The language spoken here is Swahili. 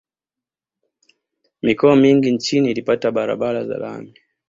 mikoa mingi nchini ilipata barabara za lami